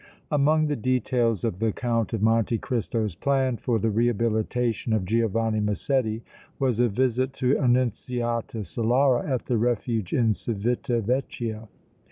Among the details of the Count of Monte Cristo's plan for the rehabilitation of Giovanni Massetti was a visit to Annunziata Solara at the Refuge in Civita Vecchia.